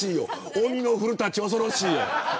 鬼の古舘、恐ろしいよ。